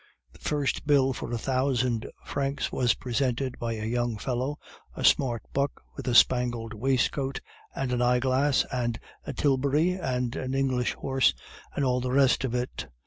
"'The first bill for a thousand francs was presented by a young fellow, a smart buck with a spangled waistcoat, and an eyeglass, and a tilbury and an English horse, and all the rest of it.